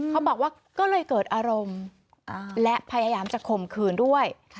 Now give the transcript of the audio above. เขาบอกว่าก็เลยเกิดอารมณ์และพยายามจะข่มขืนด้วย